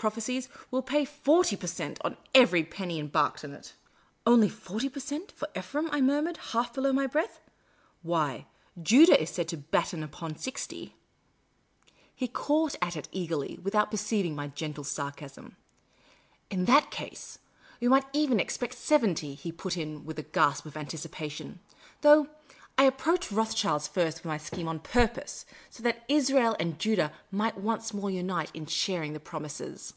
prophecies, will pay forty per cent, on every pemiy embarked in it." " Only forty per cent, for Ephraim !" I murmured, half below my breath. " Why, Judah is said to batten upon .sixty." 1 66 Miss Caylcy's Adventures He caught at it eagerl} , without perceiving my gentle sarcasm, " In that case, we might even expect sevent}'," he put in with a gasp of anticipation. " Though I approached Roths child first with my scheme on purpose, so that Israel and Judaii might once more unite in sharing the promises."